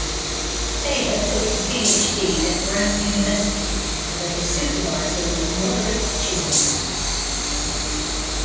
Taylor took his PhD at Brown University, where his supervisor was Roderick Chisholm.